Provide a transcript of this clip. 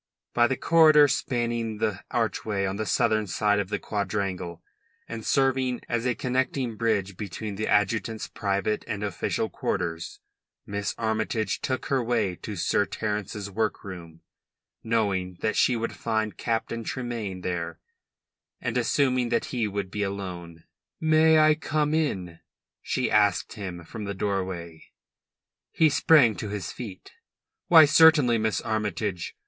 By the corridor spanning the archway on the southern side of the quadrangle, and serving as a connecting bridge between the adjutant's private and official quarters, Miss Armytage took her way to Sir Terence's work room, knowing that she would find Captain Tremayne there, and assuming that he would be alone. "May I come in?" she asked him from the doorway. He sprang to his feet. "Why, certainly, Miss Armytage."